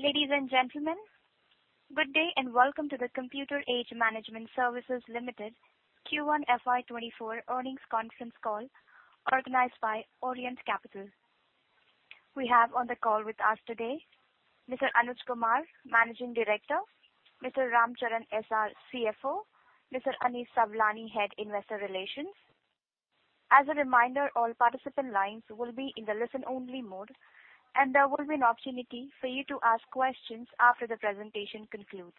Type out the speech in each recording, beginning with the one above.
Ladies and gentlemen, good day, and welcome to the Computer Age Management Services Limited Q1 FY 2024 earnings conference call organized by Orient Capital. We have on the call with us today, Mr. Anuj Kumar, Managing Director, Mr. Ramcharan S.R., CFO, Mr. Anish Sawlani, Head Investor Relations. As a reminder, all participant lines will be in the listen-only mode, and there will be an opportunity for you to ask questions after the presentation concludes.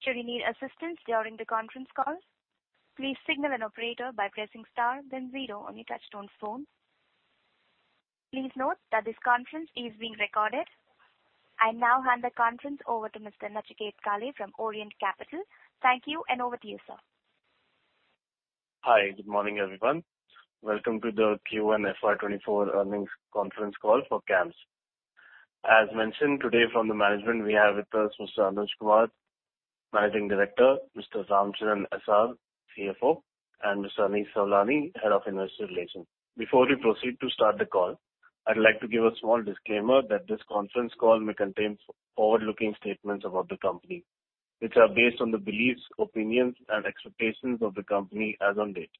Should you need assistance during the conference call, please signal an operator by pressing star then zero on your touchtone phone. Please note that this conference is being recorded. I now hand the conference over to Mr. Nachiket Kale from Orient Capital. Thank you, and over to you, sir. Hi, good morning, everyone. Welcome to the Q1 FY 2024 earnings conference call for CAMS. As mentioned today from the management, we have with us Mr. Anuj Kumar, Managing Director; Mr. Ramcharan S.R., CFO; and Mr. Aneesh Savlani, Head of Investor Relations. Before we proceed to start the call, I'd like to give a small disclaimer that this conference call may contain forward-looking statements about the company, which are based on the beliefs, opinions, and expectations of the company as on date.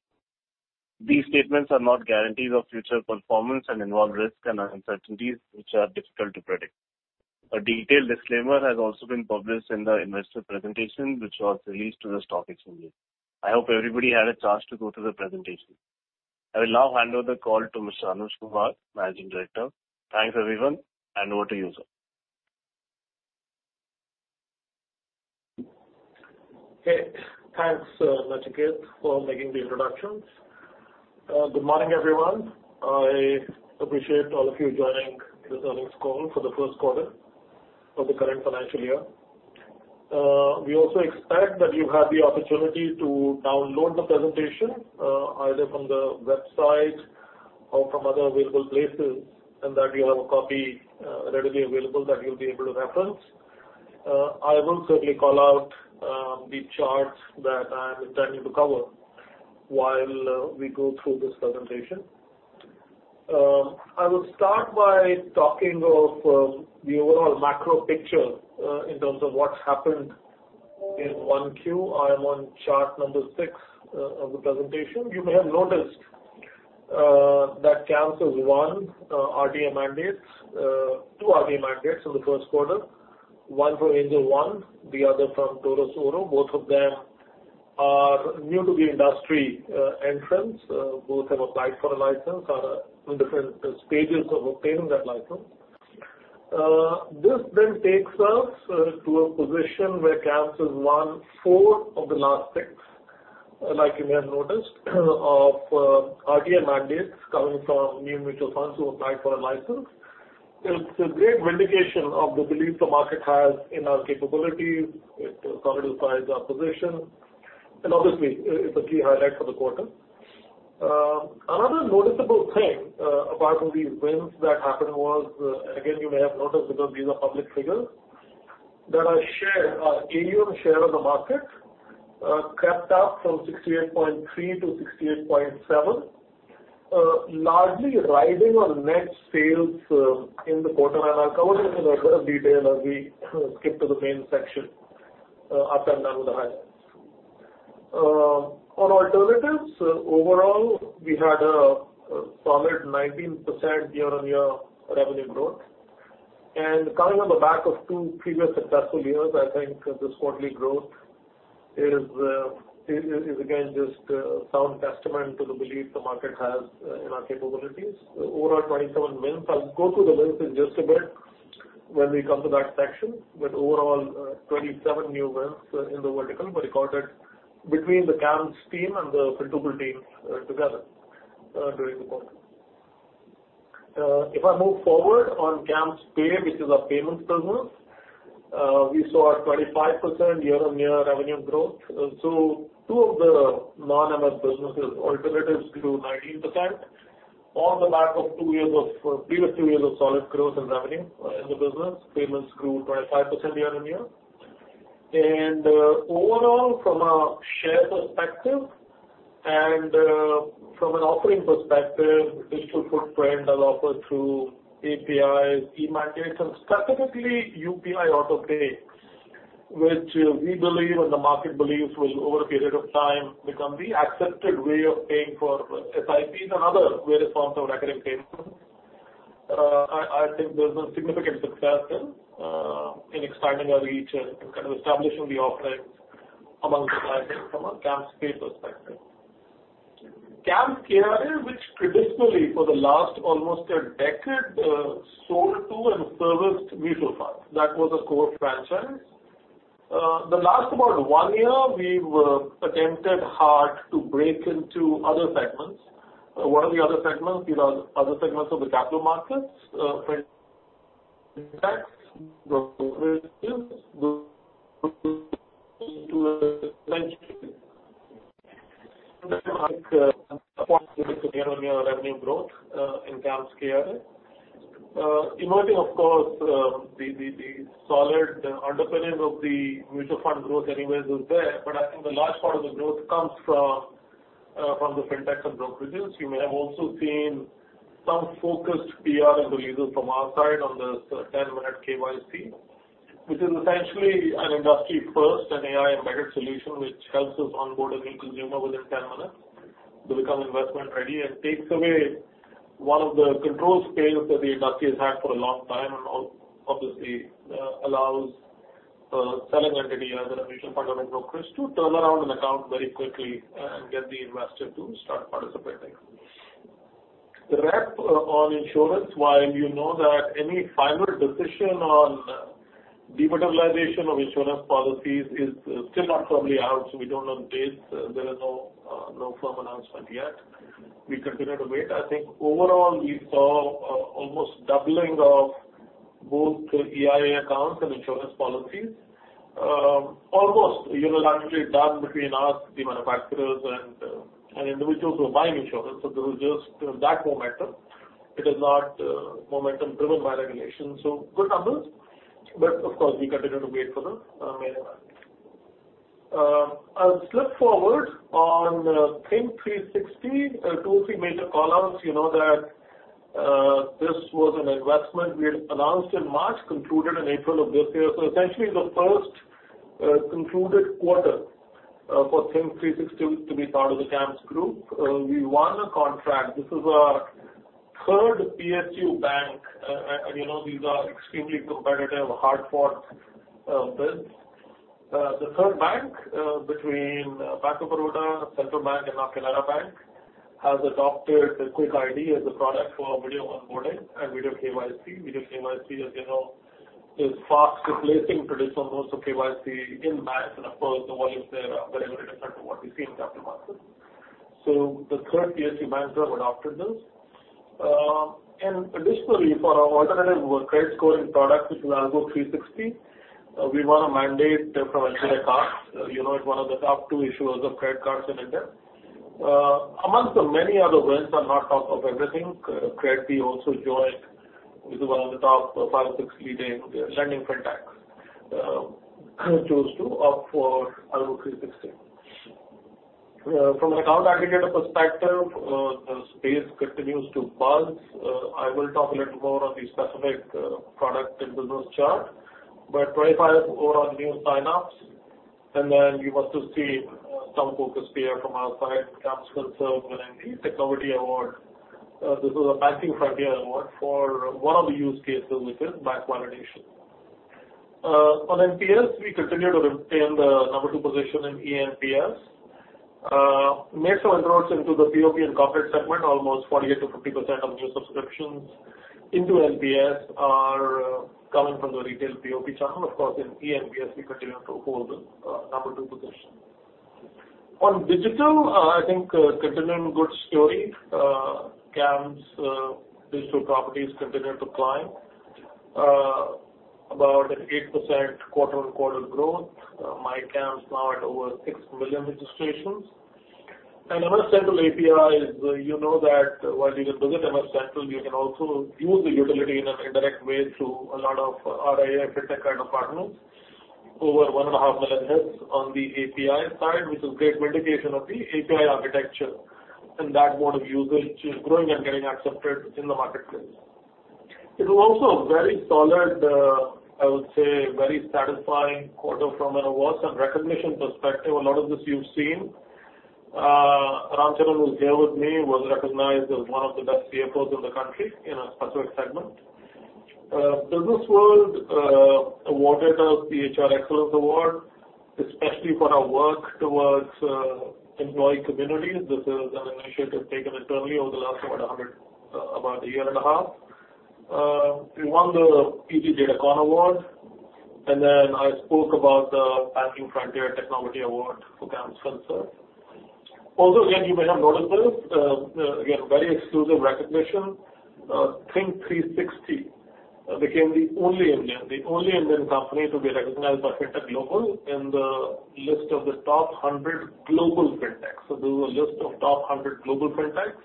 These statements are not guarantees of future performance and involve risks and uncertainties, which are difficult to predict. A detailed disclaimer has also been published in the investor presentation, which was released to the stock exchange. I hope everybody had a chance to go through the presentation. I will now hand over the call to Mr. Anuj Kumar, Managing Director. Thanks, everyone, and over to you, sir. Okay. Thanks, Nachiket, for making the introductions. Good morning, everyone. I appreciate all of you joining this earnings call for the first quarter of the current financial year. We also expect that you had the opportunity to download the presentation, either from the website or from other available places, and that you have a copy readily available that you'll be able to reference. I will certainly call out the charts that I am intending to cover while we go through this presentation. I will start by talking of the overall macro picture in terms of what's happened in 1Q. I'm on chart number 6 of the presentation. You may have noticed that CAMS has won RTA mandates, two RTA mandates in the 1st quarter, one from Angel One, the other from Torus Oro. Both of them are new to the industry, entrants. Both have applied for a license are in different stages of obtaining that license. This then takes us to a position where CAMS has won four of the last six, like you may have noticed, of RTA mandates coming from new mutual funds who applied for a license. It's a great vindication of the belief the market has in our capabilities. It solidifies our position, and obviously, it's a key highlight for the quarter. Another noticeable thing, apart from these wins that happened was, again, you may have noticed, because these are public figures, that our share, our AUM share of the market, crept up from 68.3% to 68.7%, largely riding on net sales in the quarter. I'll cover this in a bit of detail as we skip to the main section after I'm done with the highlights. On alternatives, overall, we had a solid 19% year-on-year revenue growth. Coming on the back of two previous successful years, I think this quarterly growth is again, just a sound testament to the belief the market has in our capabilities. Overall, 27 wins. I'll go through the wins in just a bit when we come to that section. Overall, 27 new wins in the vertical were recorded between the CAMS team and the Fintuple team together during the quarter. If I move forward on CAMS Pay, which is our payments business, we saw a 25% year-on-year revenue growth. Two of the non-MF businesses, alternatives grew 19%. On the back of previous two years of solid growth in revenue, in the business, payments grew 25% year-over-year. Overall, from a share perspective and from an offering perspective, digital footprint as offered through APIs, e-mandates, and specifically, UPI AutoPay, which we believe, and the market believes will, over a period of time, become the accepted way of paying for SIPs and other various forms of recurring payments. I, I think there's a significant success in expanding our reach and kind of establishing the offerings amongst the clients from a CAMS Pay perspective. CAMS KRA, which traditionally for the last almost a decade, sold to and serviced mutual funds. That was the core franchise. The last about one year, we've attempted hard to break into other segments. One of the other segments is other segments of the capital markets, year-on-year revenue growth, in CAMS KRA. Emerging, of course, the solid underpinning of the mutual fund growth anyways is there, but I think a large part of the growth comes from, from the Fintechs and brokerages. You may have also seen some focused PR in the media from our side on this 10-minute KYC, which is essentially an industry first, an AI-embedded solution, which helps us onboard a new consumer within 10 minutes to become investment ready, and takes away one of the control scales that the industry has had for a long time, and obviously, allows a selling entity, as well as a mutual fund or a brokerage, to turn around an account very quickly and get the investor to start participating. The rep on insurance, while you know that any final decision on dematerialization of insurance policies is still not probably out, we don't know the date. There is no firm announcement yet. We continue to wait. I think overall, we saw almost doubling of both EIA accounts and insurance policies. Almost unanimously done between us, the manufacturers and individuals who are buying insurance. There was just that momentum. It is not momentum driven by regulation. Good numbers, but of course, we continue to wait for the main event. I'll slip forward on Think360, two or three major callouts. You know that this was an investment we had announced in March, concluded in April of this year. Essentially, the first concluded quarter for Think360 to be part of the CAMS Group. We won a contract. This is our third PSU bank. You know, these are extremely competitive, hard-fought bids. The third bank, between Bank of Baroda, Central Bank and Canara Bank, has adopted the QuickID as a product for video onboarding and video KYC. Video KYC, as you know, is fast replacing traditional modes of KYC in banks, of course, the volumes there are very, very different from what you see in capital markets. The third PSU bank have adopted this. Additionally, for our alternative credit scoring product, which is Algo360, we won a mandate from SBI Cards. You know, it's one of the top two issuers of credit cards in India. Amongst the many other wins, I'll not talk of everything. KreditBee also joined with one of the top five, six leading lending Fintechs, chose to opt for Algo360. From an account aggregator perspective, the space continues to buzz. I will talk a little more on the specific product and business chart, but 25 over on new sign-ups, and then you want to see some focus here from our side, CAMS Consult winning the Technology Award. This is a Banking Frontiers Award for one of the use cases, which is bank validation. On NPS, we continue to retain the number two position in e-NPS. Made some inroads into the POP and corporate segment. Almost 48%-50% of new subscriptions into NPS are coming from the retail POP channel. Of course, in e-NPS, we continue to hold the number two position. On digital, I think, continuing good story. CAMS digital properties continue to climb, about 8% quarter-on-quarter growth. MyCAMS now at over 6 million registrations. MF Central API, as you know that while you visit MF Central, you can also use the utility in an indirect way through a lot of RIA Fintech kind of partners. Over 1.5 million hits on the API side, which is great validation of the API architecture and that mode of usage is growing and getting accepted in the marketplace. It was also a very solid, I would say, very satisfying quarter from an awards and recognition perspective. A lot of this you've seen. Ramcharan, who's here with me, was recognized as one of the best CFOs in the country in a specific segment. BW Businessworld awarded us the HR Excellence Award, especially for our work towards employee communities. This is an initiative taken internally over the last about 100, about 1.5 years. We won the ET DataCon Award, and then I spoke about the Banking Frontiers Awards for CAMS Consult. Also, again, you may have noticed this, again, very exclusive recognition. think360.ai became the only Indian, the only Indian company to be recognized by FinTech Global in the list of the top 100 global Fintechs. There was a list of top 100 global Fintechs.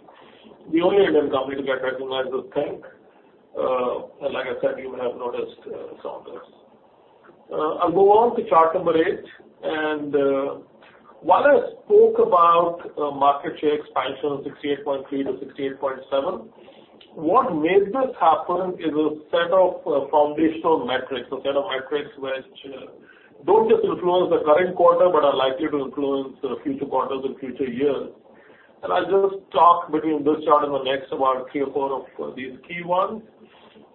The only Indian company to get recognized was think360.ai. Like I said, you may have noticed, some of this. I'll move on to chart number eight. While I spoke about market share expansion of 68.3 to 68.7, what made this happen is a set of foundational metrics, a set of metrics which don't just influence the current quarter, but are likely to influence the future quarters in future years. I'll just talk between this chart and the next, about three or four of these key ones.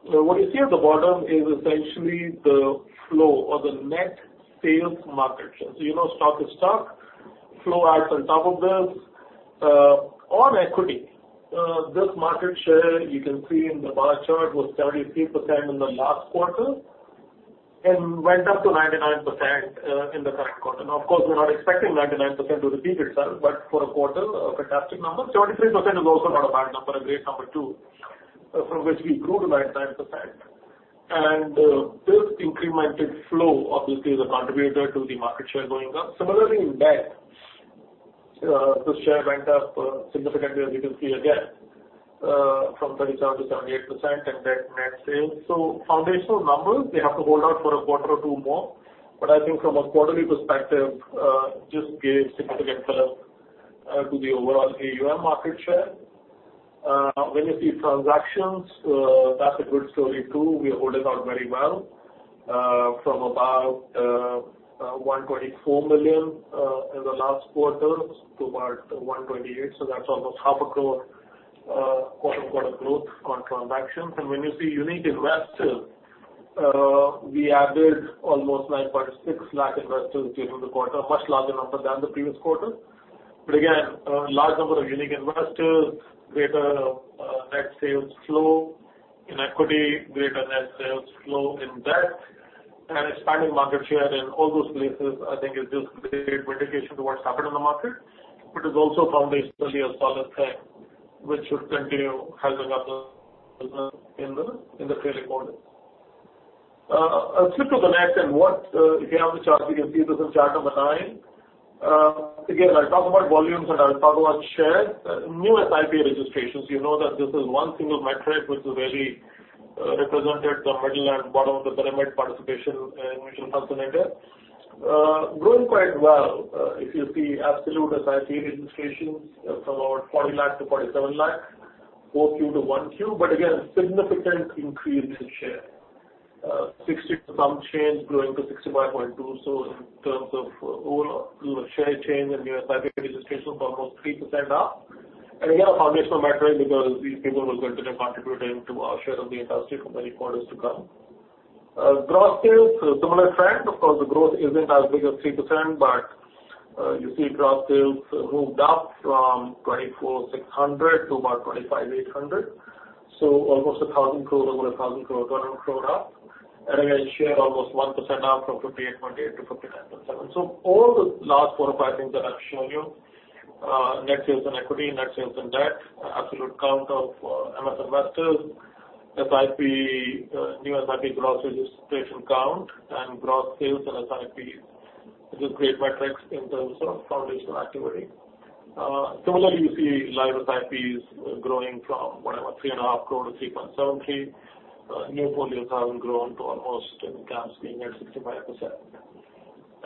What you see at the bottom is essentially the flow or the net sales market share. You know, stock is stock. Flow adds on top of this. On equity, this market share, you can see in the bar chart, was 33% in the last quarter and went up to 99% in the current quarter. Of course, we're not expecting 99% to repeat itself, but for a quarter, a fantastic number. 33% is also not a bad number, a great number too, from which we grew to 99%. This incremented flow obviously is a contributor to the market share going up. Similarly, in debt, this share went up significantly, as you can see again, from 37%-78% and then net sales. Foundational numbers, they have to hold out for a quarter or two more. I think from a quarterly perspective, just gave significant fill-up to the overall AUM market share. When you see transactions, that's a good story, too. We're holding out very well, from about 124 million in the last quarter to about 128 million. That's almost 0.5 crore quarter-over-quarter growth on transactions. When you see unique investors, we added almost 9.6 lakh investors during the quarter, a much larger number than the previous quarter. Again, a large number of unique investors, greater net sales flow in equity, greater net sales flow in debt, and expanding market share in all those places, I think is just great vindication to what's happened in the market. It's also foundationally a solid trend, which should continue helping us in the, in the trading model. I'll flip to the next and what, again, on the chart, you can see this in chart number nine. Again, I'll talk about volumes, and I'll talk about share. New SIP registrations, you know that this is one single metric, which is very represented the middle and bottom of the pyramid participation in mutual fund sector. Growing quite well. If you see absolute SIP registrations from about 40 lakh to 47 lakh, 4Q to 1Q, again, a significant increase in share, 60 some change growing to 65.2%. In terms of overall share change in new SIP registrations, almost 3% up. Again, a foundational metric because these people will continue contributing to our share of the industry for many quarters to come. Gross sales, a similar trend. Of course, the growth isn't as big as 3%, but you see gross sales moved up from 24,600 to about 25,800. Almost 1,000 crore, over 1,000 crore, going to crore up. Again, share almost 1% up from 58.8 to 59.7. All the last four or five things that I've shown you: net sales and equity, net sales and debt, absolute count of MF investors, SIP, new SIP gross registration count, and gross sales and SIP is a great metrics in terms of foundational activity. Similarly, you see live SIPs growing from, what, about 3.5 crore to 3.73 crore. New portfolios haven't grown to almost in CAMS being at 65%.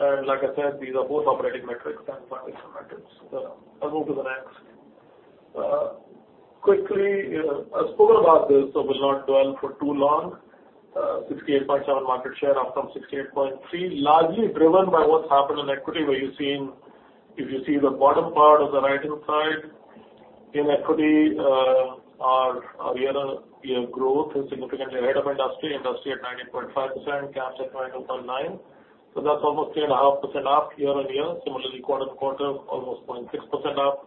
Like I said, these are both operating metrics and financial metrics. I'll move to the next. Quickly, you know, I've spoken about this, so will not dwell for too long. 68.7 market share up from 68.3, largely driven by what's happened in equity, where you've seen. If you see the bottom part of the right-hand side, in equity, our year-over-year growth is significantly ahead of industry, industry at 19.5%, CAMS at 19.9. That's almost 3.5% up year-over-year. Similarly, quarter-over-quarter, almost 0.6% up.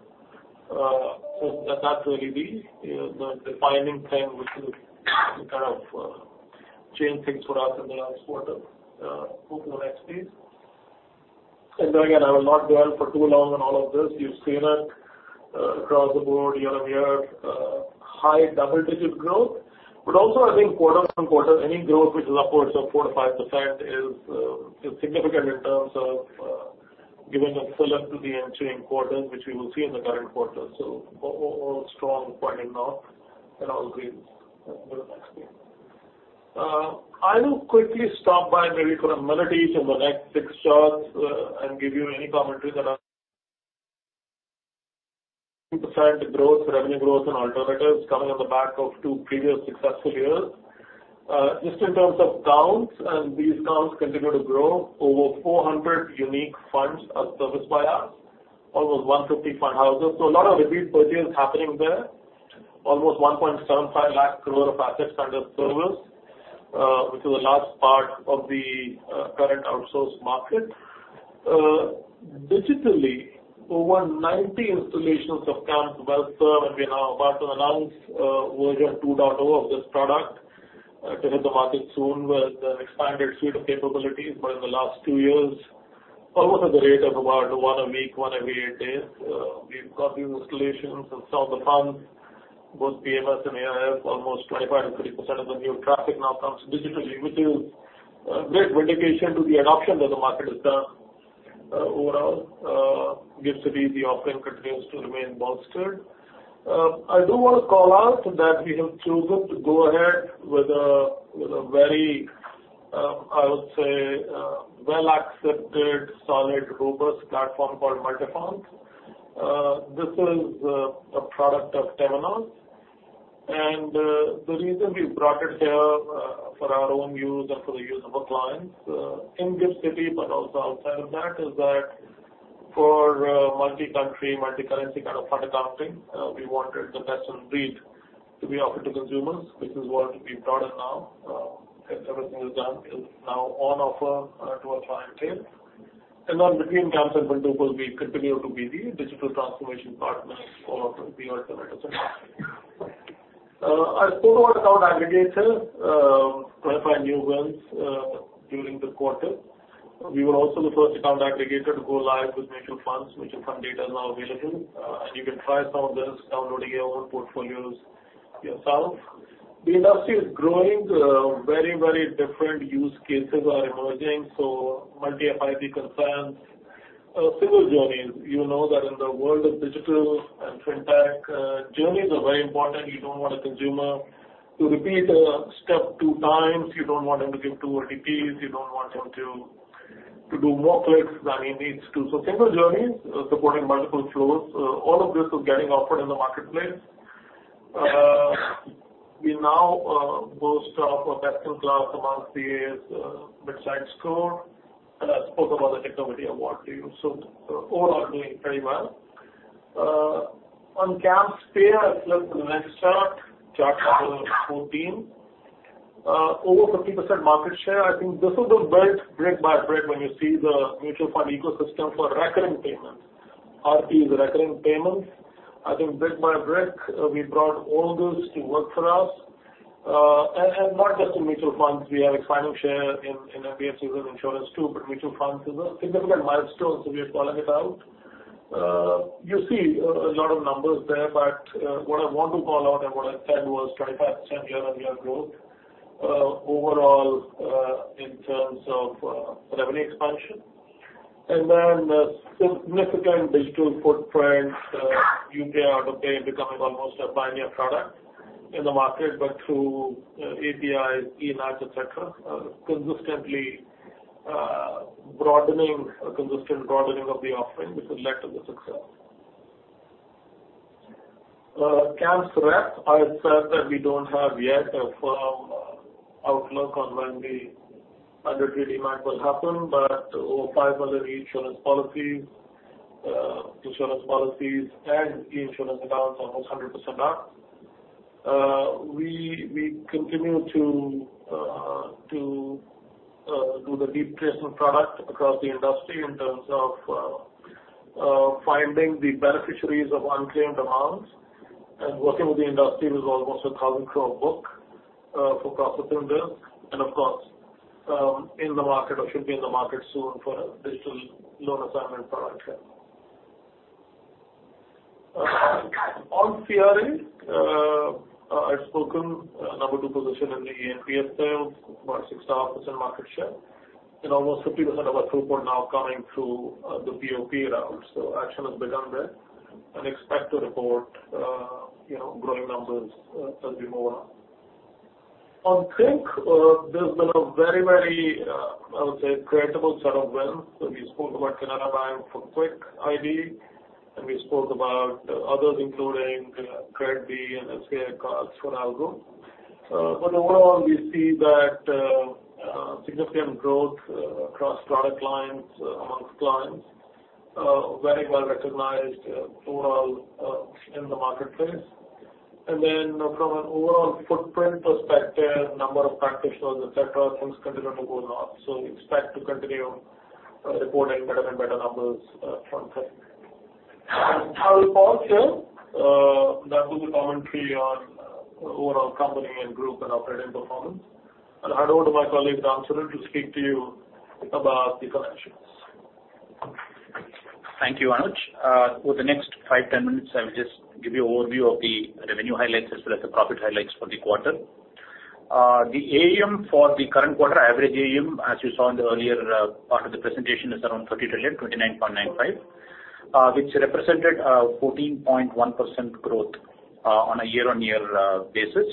That's really the defining thing, which is some kind of, change things for us in the last quarter. Move to the next, please. Again, I will not dwell for too long on all of this. You've seen it, across the board, year-over-year, high double-digit growth. Also, I think quarter-on-quarter, any growth which is upwards of 4%-5% is significant in terms of giving a fillip to the entry in quarters, which we will see in the current quarter. All strong point in north and all green. Go to the next, please. I will quickly stop by maybe for a minutes in the next six charts and give you any commentary. Percent growth, revenue growth in alternatives coming on the back of two previous successful years. Just in terms of counts, and these counts continue to grow, over 400 unique funds are serviced by us, almost 150 fund houses. A lot of repeat purchase happening there. Almost 175,000 crore of assets under service, which is a large part of the current outsource market. Digitally, over 90 installations of CAMS WealthServ, we are about to announce version 2.0 of this product to hit the market soon with an expanded suite of capabilities. In the last two years, almost at the rate of about one a week, one every eight days, we've got new installations and some of the funds, both PMS and AIF, almost 25%-30% of the new traffic now comes digitally, which is a great vindication to the adoption that the market has done. Overall, gives to be the offering continues to remain bolstered. I do want to call out that we have chosen to go ahead with a very, I would say, well-accepted, solid, robust platform called Multifonds. This is a product of Temenos, and the reason we brought it here for our own use and for the use of our clients in this city, but also outside of that, is that for multi-country, multi-currency kind of product offering, we wanted the best in breed to be offered to consumers, which is what we've brought in now. Everything is done, is now on offer to our client base. Then between CAMS and Multifonds, we continue to be the digital transformation partner for the original market. I spoke about Account Aggregator, clarify new wins during the quarter. We were also the first Account Aggregator to go live with mutual funds. Mutual fund data is now available, and you can try some of this, downloading your own portfolios yourself. The industry is growing. Very, very different use cases are emerging, multi-FIP concerns single journeys. You know that in the world of digital and fintech, journeys are very important. You don't want a consumer to repeat a step two times, you don't want him to give two OTPs, you don't want him to do more clicks than he needs to. Single journeys, supporting multiple flows, all of this is getting offered in the marketplace. We now boast of a best-in-class amongst the mid-size score, and I spoke about the technology award to you, so overall doing very well. On CAMS Pay, let's the next chart, chart number 14. Over 50% market share, I think this is the built brick by brick when you see the mutual fund ecosystem for recurring payments. RP is recurring payments. I think brick by brick, we brought all those to work for us, and not just in mutual funds. We have a declining share in NPFC and insurance, too, but mutual funds is a significant milestone, so we are calling it out. You see a lot of numbers there, but what I want to call out and what I said was 25% year-on-year growth, overall, in terms of revenue expansion. Then the significant digital footprint, UPI, AutoPay becoming almost a pioneer product in the market, but through APIs, e-, et cetera, consistently broadening, a consistent broadening of the offering, which has led to the success. CAMS REP, I said that we don't have yet a firm outlook on when the undertrading market will happen, but over 5 million insurance policies, insurance policies and insurance amounts almost 100% up. We, we continue to, to, do the deep placement product across the industry in terms of finding the beneficiaries of unclaimed amounts and working with the industry with almost a 1,000 crore book for profit and loss. Of course, in the market or should be in the market soon for a digital loan assignment product. On CRA, I've spoken, number two position in the NPS sales, about 68% market share, and almost 50% of our throughput now coming through the POP route. Action has begun there, and expect to report, you know, growing numbers as we move on. On Think, there's been a very, very, I would say, credible set of wins. We spoke about Canara Bank for QuickID, and we spoke about others, including KreditBee and SBI Cards for Algo360. Overall, we see that significant growth across product lines amongst clients, very well-recognized overall in the marketplace. Then from an overall footprint perspective, number of practitioners, et cetera, things continue to go north, so we expect to continue reporting better and better numbers from Think. I will pause here. That will be commentary on overall company and group and operating performance. I'll hand over to my colleague, Ramcharan, to speak to you about the financials. Thank you, Anuj. Over the next five, ten minutes, I will just give you an overview of the revenue highlights as well as the profit highlights for the quarter. The AUM for the current quarter, average AUM, as you saw in the earlier part of the presentation, is around 30 trillion, 29.95 trillion, which represented 14.1% growth on a year-on-year basis.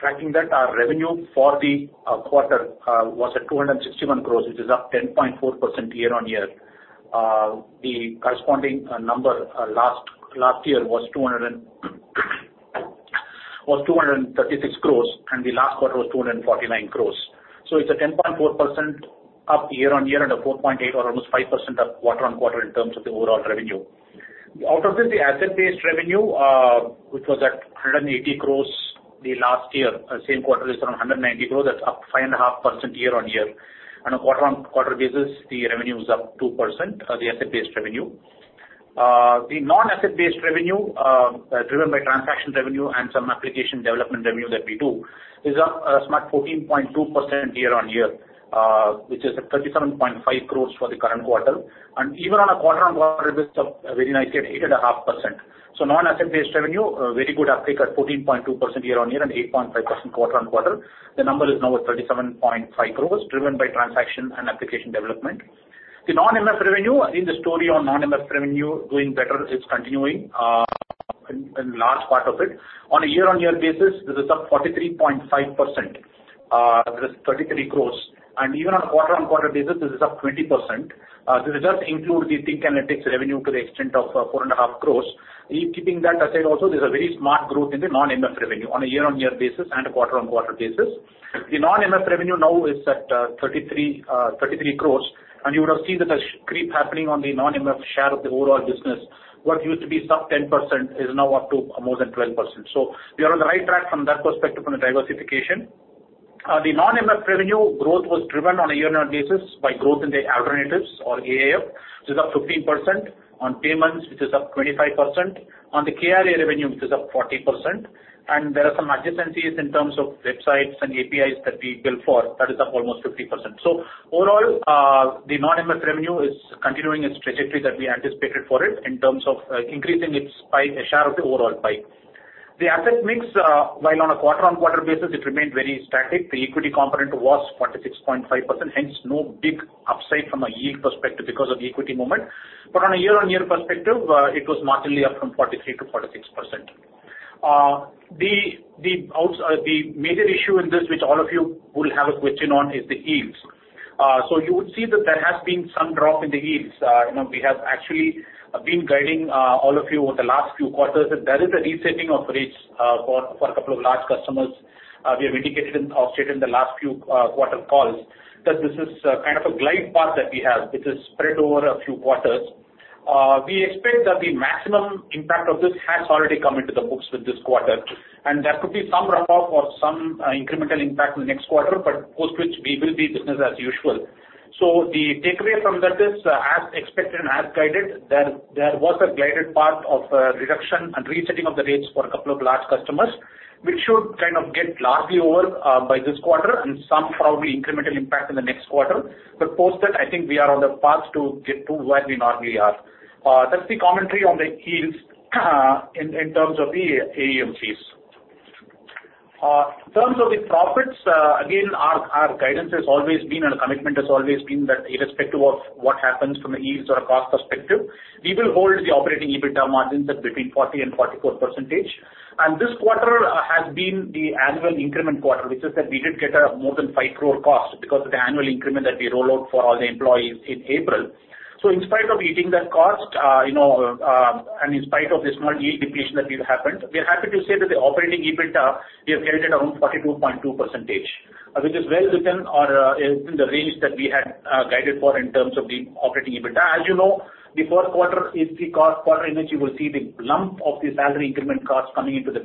Tracking that, our revenue for the quarter was at 261 crore, which is up 10.4% year-on-year. The corresponding number last year was 236 crore, and the last quarter was 249 crore. It's a 10.4% up year-on-year and a 4.8% or almost 5% up quarter-on-quarter in terms of the overall revenue. Out of this, the asset-based revenue, which was at 180 crore the last year, same quarter is around 190 crore. That's up 5.5% year-on-year. On a quarter-on-quarter basis, the revenue is up 2%, the asset-based revenue. The non-asset-based revenue, driven by transaction revenue and some application development revenue that we do, is up a smart 14.2% year-on-year, which is at 37.5 crore for the current quarter. Even on a quarter-on-quarter, it's up a very nice 8.5%. Non-asset-based revenue, a very good uptake at 14.2% year-on-year and 8.5% quarter-on-quarter. The number is now at 37.5 crore, driven by transaction and application development. The non-MF revenue, I think the story on non-MF revenue doing better, it's continuing in large part of it. On a year-on-year basis, this is up 43.5%, this is 33 crore. Even on a quarter-on-quarter basis, this is up 20%. This does include the Think Analytics revenue to the extent of 4.5 crore. Keeping that aside, also, there's a very smart growth in the non-MF revenue on a year-on-year basis and a quarter-on-quarter basis. The non-MF revenue now is at 33 crore, you would have seen that there's creep happening on the non-MF share of the overall business. What used to be sub 10% is now up to more than 12%. We are on the right track from that perspective, from the diversification. The non-MF revenue growth was driven on a year-on-year basis by growth in the alternatives or AIF, which is up 15%, on payments, which is up 25%, on the KRA revenue, which is up 40%. There are some adjacencies in terms of websites and APIs that we built for, that is up almost 50%. Overall, the non-MF revenue is continuing its trajectory that we anticipated for it in terms of increasing its pie, a share of the overall pie. The asset mix, while on a quarter-on-quarter basis, it remained very static. The equity component was 46.5%, hence, no big upside from a yield perspective because of the equity movement. On a year-on-year perspective, it was marginally up from 43%-46%. The major issue in this, which all of you will have a question on, is the yields. You would see that there has been some drop in the yields. You know, we have actually been guiding all of you over the last few quarters, that there is a resetting of rates for, for a couple of large customers. We have indicated in or stated in the last few quarter calls, that this is kind of a glide path that we have, which is spread over a few quarters. We expect that the maximum impact of this has already come into the books with this quarter, and there could be some runoff or some incremental impact in the next quarter, but post which we will be business as usual. The takeaway from that is, as expected and as guided, there, there was a guided path of reduction and resetting of the rates for two large customers, which should kind of get largely over by this quarter and some probably incremental impact in the next quarter. Post that, I think we are on the path to get to where we normally are. That's the commentary on the yields, in, in terms of the AUM fees. In terms of the profits, again, our, our guidance has always been, and commitment has always been that irrespective of what happens from a yields or a cost perspective, we will hold the operating EBITDA margins at between 40% and 44%. This quarter has been the annual increment quarter, which is that we did get a more than 5 crore cost because of the annual increment that we roll out for all the employees in April. In spite of eating that cost, you know, and in spite of the small yield depletion that we've happened, we are happy to say that the operating EBITDA, we have held it around 42.2%, which is well within or in the range that we had guided for in terms of the operating EBITDA. You know, the fourth quarter is the quarter in which you will see the lump of the salary increment costs coming into the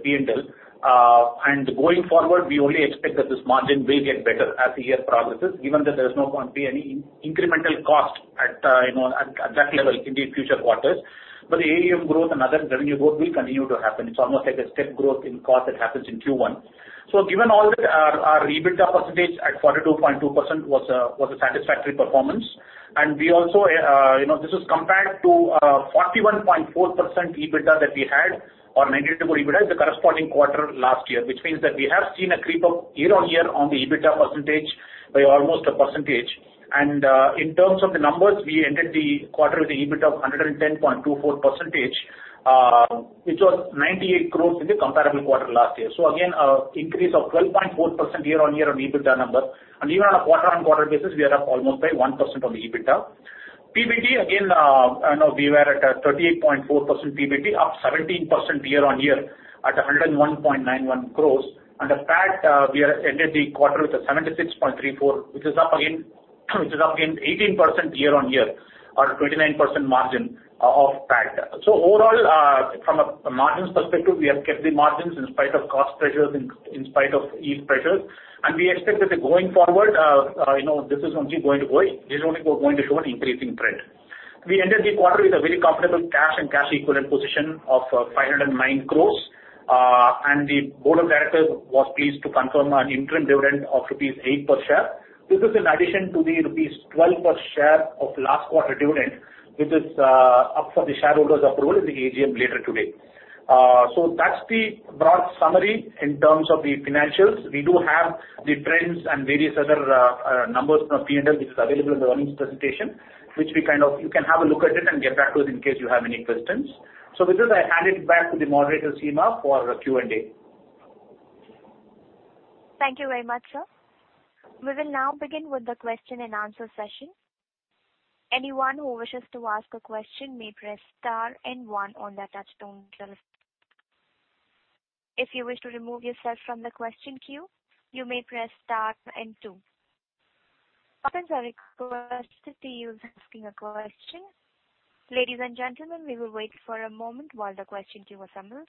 P&L. Going forward, we only expect that this margin will get better as the year progresses, given that there is not going to be any incremental cost at that level in the future quarters. The AUM growth and other revenue growth will continue to happen. It's almost like a step growth in cost that happens in Q1. Given all that, our EBITDA percentage at 42.2% was a satisfactory performance. We also, this is compared to 41.4% EBITDA that we had or negative EBITDA in the corresponding quarter last year, which means that we have seen a creep up year-on-year on the EBITDA percentage by almost a percentage. In terms of the numbers, we ended the quarter with a EBITDA of 110.24%, which was 98 crore in the comparable quarter last year. Again, increase of 12.4% year-on-year on EBITDA number. Even on a quarter-on-quarter basis, we are up almost by 1% on the EBITDA. PBT, again, I know we were at a 38.4% PBT, up 17% year-on-year at 101.91 crore. The PAT, we have ended the quarter with a 76.34 crore, which is up again, which is up again 18% year-on-year, or 29% margin of PAT. Overall, from a margins perspective, we have kept the margins in spite of cost pressures, in, in spite of yield pressures. We expect that the going forward, you know, this is only going to go, this is only going to show an increasing trend. We ended the quarter with a very comfortable cash and cash equivalent position of 509 crore. The board of directors was pleased to confirm an interim dividend of rupees 8 per share. This is in addition to the rupees 12 per share of last quarter dividend, which is up for the shareholders approval in the AGM later today. That's the broad summary in terms of the financials. We do have the trends and various other numbers from P&L, which is available in the earnings presentation. You can have a look at it and get back to us in case you have any questions. With this, I hand it back to the moderator, Seema, for the Q&A. Thank you very much, sir. We will now begin with the question-and-answer session. Anyone who wishes to ask a question may press star and one on their touchtone telephone. If you wish to remove yourself from the question queue, you may press star and two. Are requested to you asking a question. Ladies and gentlemen, we will wait for a moment while the question queue assembles.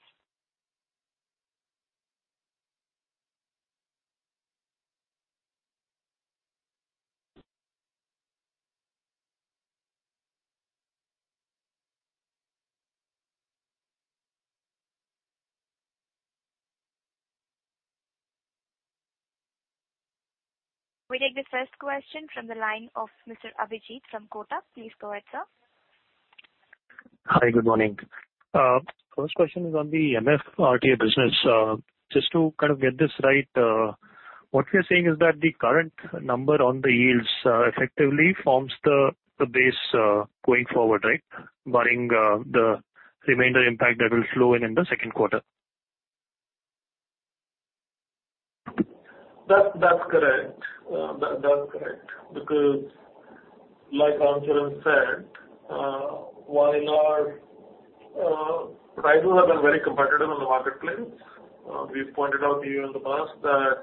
We take the first question from the line of Mr. Abhijit from Kotak. Please go ahead, sir. Hi, good morning. First question is on the MF RTA business. Just to kind of get this right, what we are saying is that the current number on the yields, effectively forms the, the base, going forward, right? Barring, the remainder impact that will flow in, in the second quarter. That's, that's correct. That, that's correct. Because like Ramcharan said, while our prices have been very competitive in the marketplace, we've pointed out to you in the past that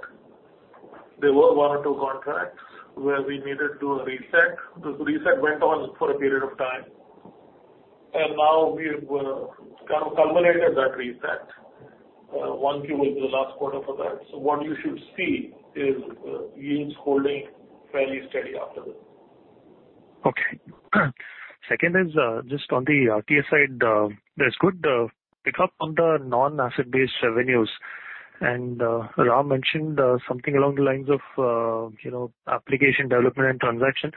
there were one or two contracts where we needed to reset. The reset went on for a period of time, and now we've kind of culminated that reset. 1Q is the last quarter for that. What you should see is yields holding fairly steady after this. Okay. Second is, just on the RTA side, there's good pickup on the non-asset-based revenues. Ram mentioned something along the lines of, you know, application development and transaction.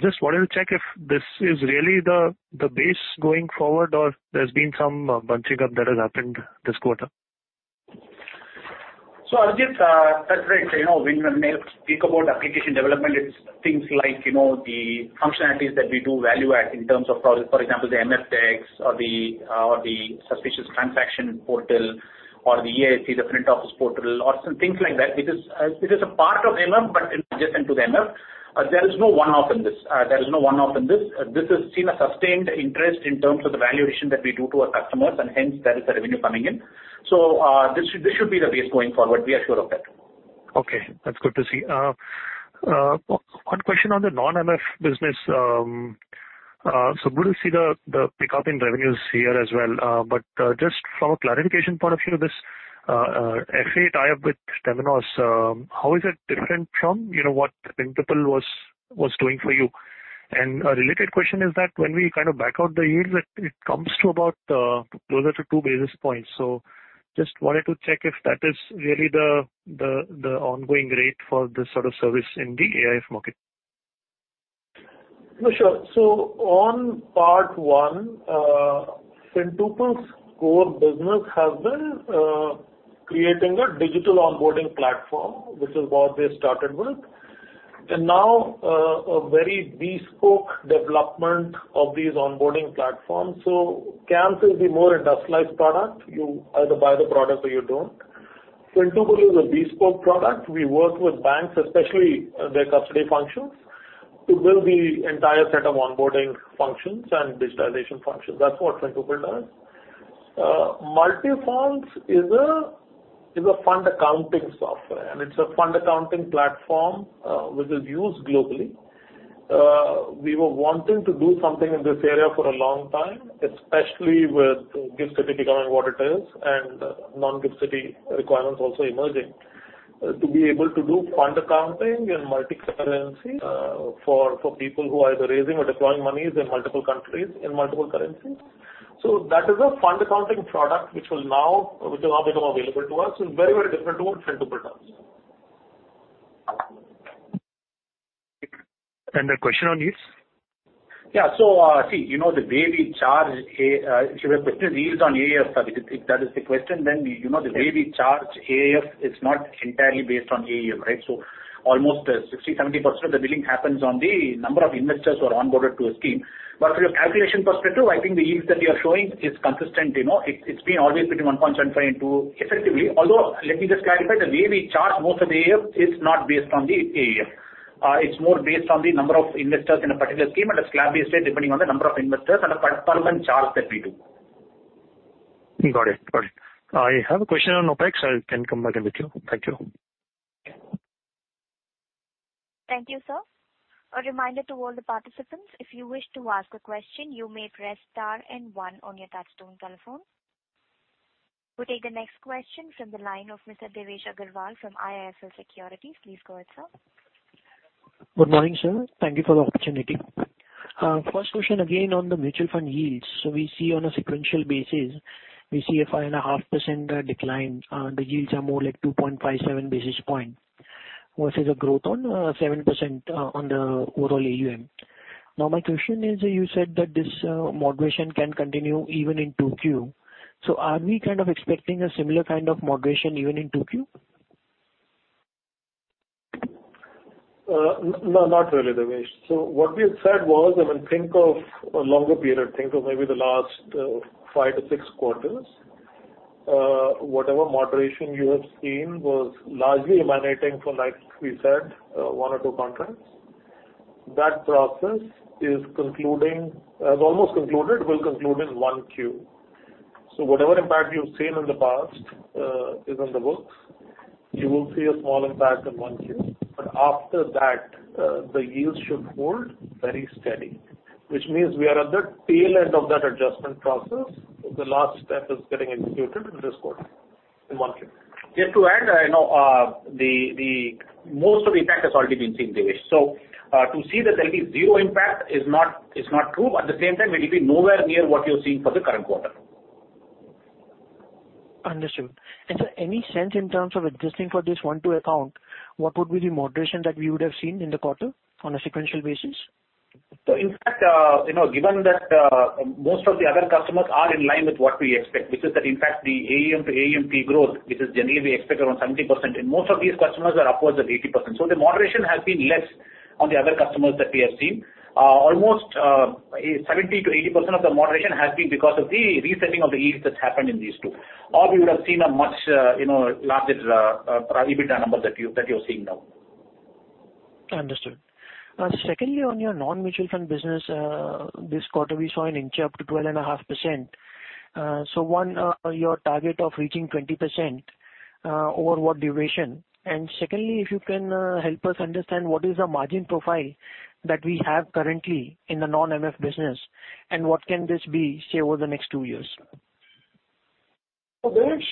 Just wanted to check if this is really the, the base going forward, or there's been some bunching up that has happened this quarter? I'll just, that's right. You know, when we speak about application development, it's things like, you know, the functionalities that we do value at in terms of product. For example, the MFEX or the, or the suspicious transaction portal or the AIF, the front office portal, or some things like that. It is, it is a part of MF, but adjacent to the MF. There is no one-off in this. There is no one-off in this. This is seen a sustained interest in terms of the valuation that we do to our customers, and hence, there is a revenue coming in. This should, this should be the base going forward. We are sure of that. Okay, that's good to see. One question on the non-MF business. Good to see the, the pickup in revenues here as well. Just for clarification point of view, this FA tie-up with Temenos, how is it different from, you know, what Fintuple Technologies was, was doing for you? A related question is that when we kind of back out the yields, it, it comes to about, closer to 2 basis points. Just wanted to check if that is really the, the, the ongoing rate for this sort of service in the AIF market. No, sure. On part one, Fintuple's core business has been creating a digital onboarding platform. This is what they started with. Now, a very bespoke development of these onboarding platforms. CAMS is the more industrialized product. You either buy the product or you don't. Fintuple is a bespoke product. We work with banks, especially, their custody functions. It will be entire set of onboarding functions and digitalization functions. That's what Fintuple does. Multifonds is a, is a fund accounting software, and it's a fund accounting platform, which is used globally. We were wanting to do something in this area for a long time, especially with Gift City, given what it is, and non-Gift City requirements also emerging. To be able to do fund accounting and multi-currency, for, for people who are either raising or deploying monies in multiple countries in multiple currencies. That is a fund accounting product, which will now, which will now become available to us. It's very, very different to what Fintuple does. The question on yields? Yeah. See, you know, the way we charge a, if your question is yields on AIF, sir, if that is the question, then you know, the way we charge AIF is not entirely based on AUM, right? Almost 60%, 70% of the billing happens on the number of investors who are onboarded to a scheme. From a calculation perspective, I think the yields that you are showing is consistent, you know. It's, it's been always between 1.75 and 2 effectively. Let me just clarify, the way we charge most of the AIF is not based on the AUM. It's more based on the number of investors in a particular scheme and a slab-based rate, depending on the number of investors and a per, per month charge that we do. Got it. Got it. I have a question on OpEx. I can come back in with you. Thank you. Thank you, sir. A reminder to all the participants, if you wish to ask a question, you may press star and one on your touchtone telephone. We'll take the next question from the line of Mr. Devesh Agarwal from IIFL Securities. Please go ahead, sir. Good morning, sir. Thank you for the opportunity. First question again on the mutual fund yields. So we see on a sequential basis, we see a 5.5% decline. The yields are more like 2.57 basis points versus a growth on 7% on the overall AUM. Now, my question is, you said that this moderation can continue even in 2Q. So are we kind of expecting a similar kind of moderation even in 2Q? No, not really, Devesh. What we had said was, I mean, think of a longer period, think of maybe the last, five to six quarters. Whatever moderation you have seen was largely emanating from, like we said, one or two contracts. That process is concluding, has almost concluded, will conclude in one Q. Whatever impact you've seen in the past, is in the books, you will see a small impact in one Q. After that, the yields should hold very steady, which means we are at the tail end of that adjustment process. The last step is getting executed in this quarter, in one Q. Just to add, you know, the, the most of the impact has already been seen, Devesh. To see that there'll be zero impact is not, is not true, but at the same time, it will be nowhere near what you're seeing for the current quarter. Understood. Sir, any sense in terms of adjusting for this one, two account, what would be the moderation that we would have seen in the quarter on a sequential basis? In fact, you know, given that, most of the other customers are in line with what we expect, which is that, in fact, the AUM to AUMP growth, which is generally we expect around 70%, and most of these customers are upwards of 80%. The moderation has been less on the other customers that we have seen. Almost 70%-80% of the moderation has been because of the resetting of the yields that's happened in these two. We would have seen a much, you know, larger EBITDA number that you, that you're seeing now. Understood. Secondly, on your non-mutual fund business, this quarter, we saw an inch up to 12.5%. One, your target of reaching 20% over what duration? Secondly, if you can help us understand what is the margin profile that we have currently in the non-MF business, and what can this be, say, over the next two years? Devesh,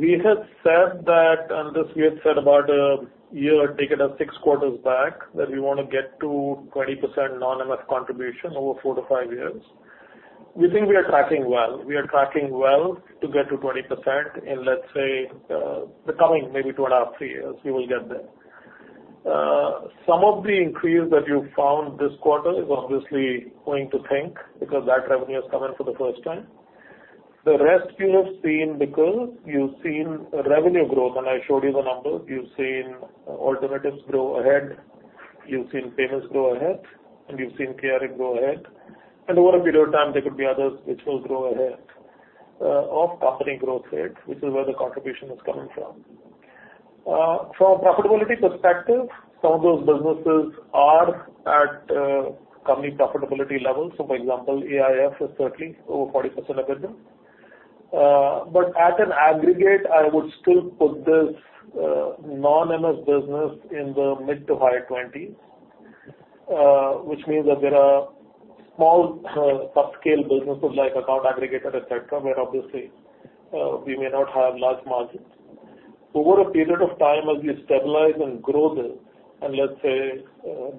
we had said that, and this we had said about one year, take it as six quarters back, that we want to get to 20% non-MF contribution over four-five years. We think we are tracking well. We are tracking well to get to 20% in, let's say, the coming maybe 2.5-3 years, we will get there. Some of the increase that you found this quarter is obviously going to Think, because that revenue has come in for the first time. The rest you have seen because you've seen revenue growth, and I showed you the numbers. You've seen alternatives grow ahead, you've seen payments go ahead, and you've seen KRA go ahead. Over a period of time, there could be others which will grow ahead of company growth rate, which is where the contribution is coming from. From profitability perspective, some of those businesses are at company profitability levels. For example, AIF is certainly over 40% EBITDA. But at an aggregate, I would still put this non-MF business in the mid to higher 20s, which means that there are small, subscale businesses like account aggregator, et cetera, where obviously, we may not have large margins. Over a period of time, as we stabilize and grow this, and let's say,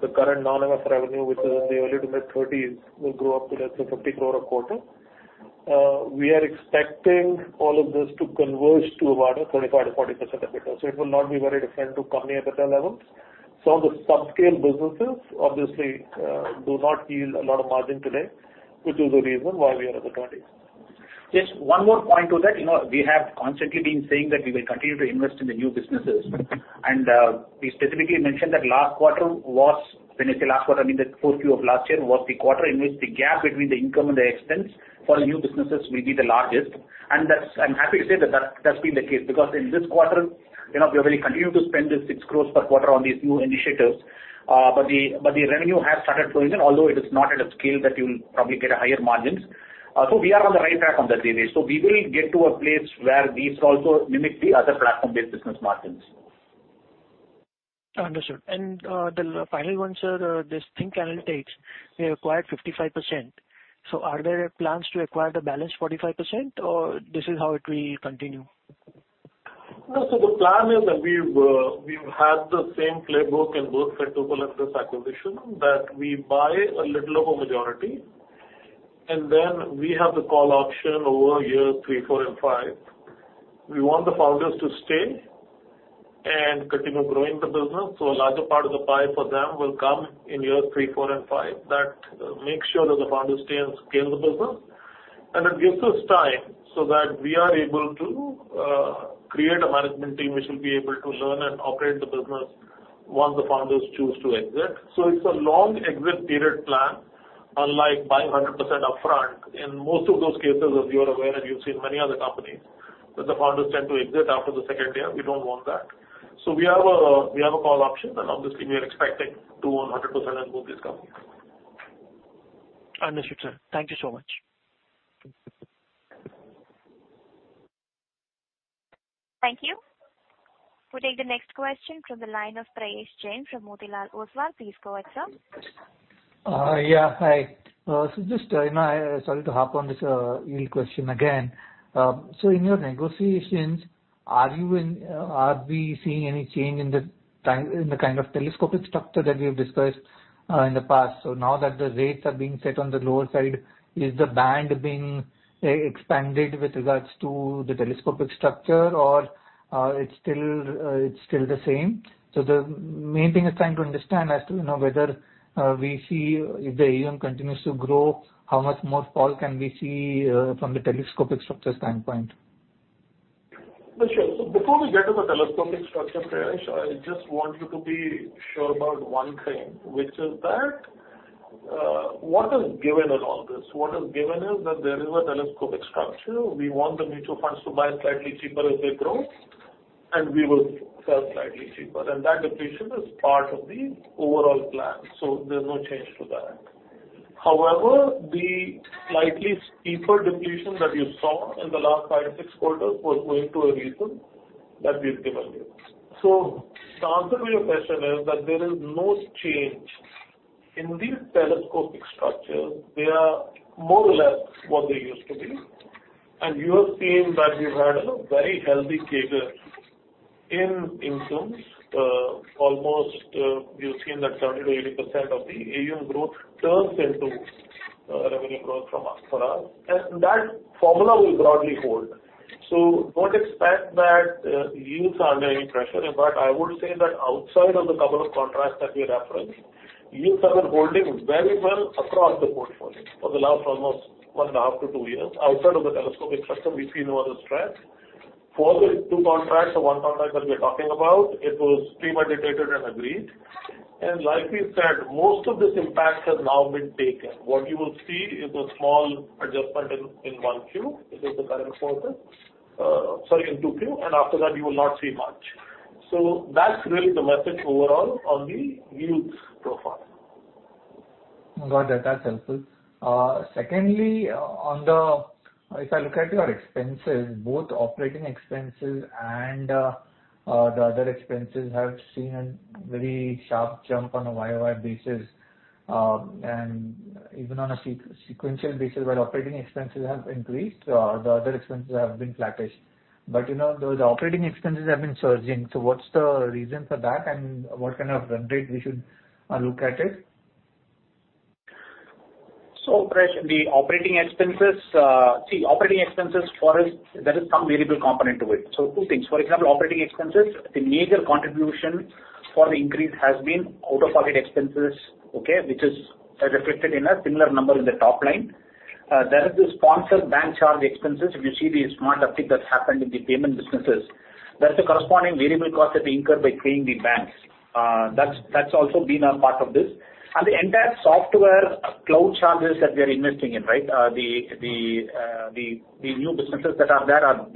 the current non-MF revenue, which is in the early to mid-30s, will grow up to let's say, 50 crore a quarter. We are expecting all of this to converge to about a 35%-40% EBITDA. It will not be very different to company EBITDA levels. Some of the subscale businesses obviously, do not yield a lot of margin today, which is the reason why we are at the 20s. Just one more point to that, you know, we have constantly been saying that we will continue to invest in the new businesses. We specifically mentioned that last quarter was, when I say last quarter, I mean, the fourth Q of last year, was the quarter in which the gap between the income and the expense for the new businesses will be the largest. I'm happy to say that's been the case, because in this quarter, you know, we have really continued to spend this 6 crore per quarter on these new initiatives. But the revenue has started flowing in, although it is not at a scale that you'll probably get a higher margins. We are on the right track on that basis. We will get to a place where these also mimic the other platform-based business margins. Understood. The final one, sir, this Think Analytics, we acquired 55%. Are there plans to acquire the balance 45%, or this is how it will continue? No, the plan is that we've had the same playbook in both Setu, Fintuple acquisition, that we buy a little over majority, and then we have the call option over years three, four, and five. We want the founders to stay and continue growing the business, so a larger part of the pie for them will come in years three, four and five. That makes sure that the founders stay and scale the business. It gives us time so that we are able to create a management team which will be able to learn and operate the business once the founders choose to exit. It's a long exit period plan, unlike buy 100% upfront. In most of those cases, as you are aware, and you've seen many other companies, that the founders tend to exit after the second year. We don't want that. We have a call option, and obviously, we are expecting to own 100% of both these companies. Understood, sir. Thank you so much. Thank you. We'll take the next question from the line of Prayesh Jain from Motilal Oswal. Please go ahead, sir. Yeah, hi. Just, you know, sorry to harp on this yield question again. In your negotiations, are we seeing any change in the time, in the kind of telescopic structure that we have discussed in the past? Now that the rates are being set on the lower side, is the band being expanded with regards to the telescopic structure or it's still, it's still the same? The m-main thing is trying to understand as to, you know, whether we see if the AUM continues to grow, how much more fall can we see from the telescopic structure standpoint? For sure. Before we get to the telescopic structure, Prayesh, I just want you to be sure about one thing, which is that, what is given in all this? What is given is that there is a telescopic structure. We want the mutual funds to buy slightly cheaper as they grow, and we will sell slightly cheaper, and that depletion is part of the overall plan, so there's no change to that. However, the slightly steeper depletion that you saw in the last five or six quarters was due to a reason that we've given you. The answer to your question is that there is no change in these telescopic structures. They are more or less what they used to be. You have seen that we've had a very healthy cadence in incomes. Almost, you've seen that 30%-80% of the AUM growth turns into revenue growth from us, for us, that formula will broadly hold. Don't expect that yields are under any pressure. In fact, I would say that outside of the couple of contracts that we referenced, yields are holding very well across the portfolio for the last almost 1.5-2 years. Outside of the telescopic structure, we see no other stress. For the two contracts, the one contract that we are talking about, it was pre-meditated and agreed. Like we said, most of this impact has now been taken. What you will see is a small adjustment in, in 1 Q, which is the current quarter. Sorry, in 2Q, after that, you will not see much. That's really the message overall on the yields profile. Got that. That's helpful. Secondly, If I look at your expenses, both operating expenses and the other expenses, I've seen a very sharp jump on a YoY basis. Even on a sequential basis, while operating expenses have increased, the other expenses have been flattish. But, you know, those operating expenses have been surging. What's the reason for that, and what kind of run rate we should look at it? Prayesh, the operating expenses, see, operating expenses for us, there is some variable component to it. Two things. For example, operating expenses, the major contribution for the increase has been out-of-pocket expenses, okay? Which is reflected in a similar number in the top line. There is the sponsored bank charge expenses. If you see the smart uptick that happened in the payment businesses, there's a corresponding variable cost that we incur by paying the banks. That's also been a part of this. The entire software cloud charges that we are investing in, right? The new businesses that are there are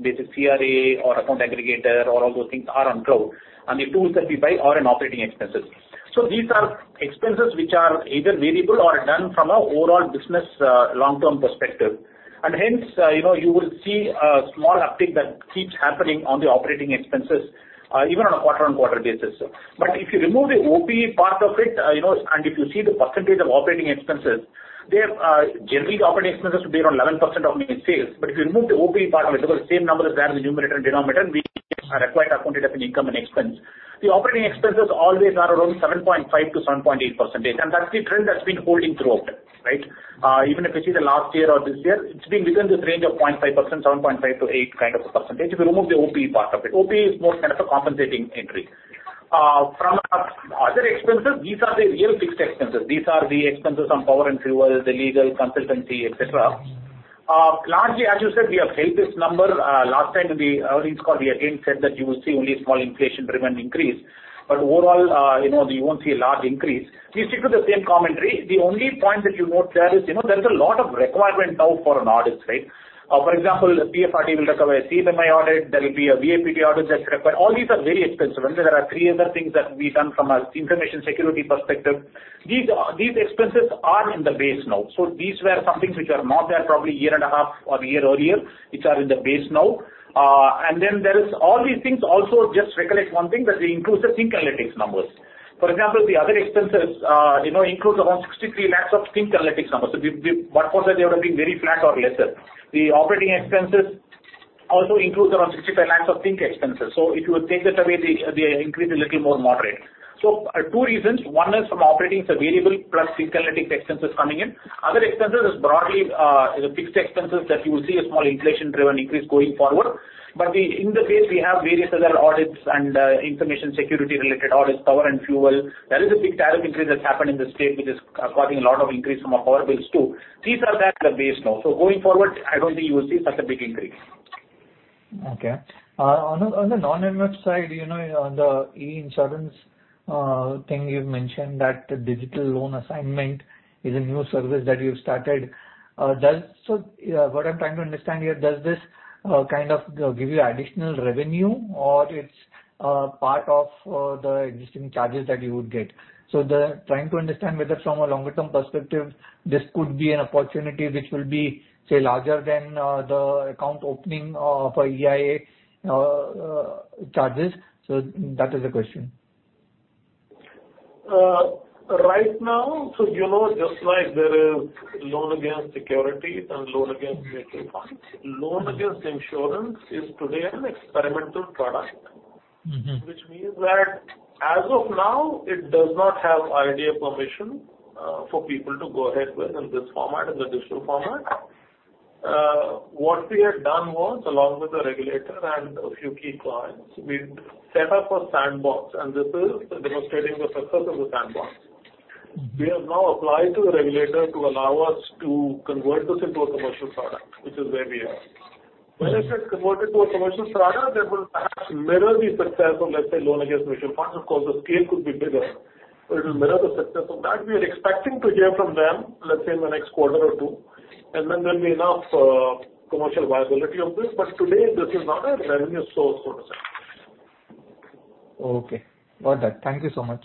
basically CRA or account aggregator or all those things are on cloud, and the tools that we buy are in operating expenses. These are expenses which are either variable or done from a overall business long-term perspective. Hence, you know, you will see a small uptick that keeps happening on the operating expenses even on a quarter-on-quarter basis. If you remove the OPE part of it, you know, and if you see the percentage of operating expenses, they are, generally, the operating expenses to be around 11% of main sales. If you remove the OPE part of it, because the same number is there in the numerator and denominator, we are required to account it as an income and expense. The operating expenses always are around 7.5%-7.8%, and that's the trend that's been holding throughout, right? Even if you see the last year or this year, it's been within this range of 0.5%, 7.5%-8% kind of a percentage, if you remove the OPE part of it. OPE is more kind of a compensating entry. From our other expenses, these are the real fixed expenses. These are the expenses on power and fuel, the legal, consultancy, et cetera. Largely, as you said, we have held this number. Last time in the earnings call, we again said that you will see only small inflation-driven increase, but overall, you know, you won't see a large increase. We stick to the same commentary. The only point that you note there is, you know, there is a lot of requirement now for an audit, right? For example, the PFRDA will recover a CMMI audit, there will be a VAPT audit that's required. All these are very expensive, there are three other things that we've done from an information security perspective. These, these expenses are in the base now. These were some things which are not there probably a year and a half or a year earlier, which are in the base now. There is all these things also, just recollect one thing, that they include the Think Analytics numbers. For example, the other expenses, you know, includes around 63 lakhs of Think Analytics numbers. We, we, for that, they would have been very flat or lesser. The operating expenses also includes around 65 lakhs of Think expenses. If you take that away, the, the increase a little more moderate. Two reasons. One is from operating, it's a variable, plus Think Analytics expenses coming in. Other expenses is broadly, the fixed expenses that you will see a small inflation-driven increase going forward. We, in the base, we have various other audits and information security-related audits, power and fuel. There is a big tariff increase that's happened in the state, which is causing a lot of increase from our power bills, too. These are that, the base now. Going forward, I don't think you will see such a big increase. Okay. On the, on the non-invest side, you know, on the e-insurance thing, you've mentioned that the digital loan assignment is a new service that you've started. What I'm trying to understand here, does this kind of give you additional revenue or it's part of the existing charges that you would get? Trying to understand whether from a longer term perspective, this could be an opportunity which will be, say, larger than the account opening for EIA charges. That is the question. Right now, you know, just like there is loan against securities and loan against mutual funds, loan against insurance is today an experimental product. Which means that as of now, it does not have IRDAI permission for people to go ahead with in this format, in the digital format. What we had done was, along with the regulator and a few key clients, we set up a sandbox, this is demonstrating the success of the sandbox. We have now applied to the regulator to allow us to convert this into a commercial product, which is where we are. When it gets converted to a commercial product, that will perhaps mirror the success of, let's say, loan against mutual funds. Of course, the scale could be bigger, but it will mirror the success of that. We are expecting to hear from them, let's say, in the next quarter or two, then there'll be enough commercial viability of this. Today, this is not a revenue source for us. Okay. Got that. Thank you so much.